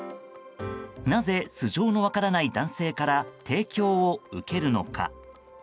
なぜ、素性の分からない男性から提供を受けるのか。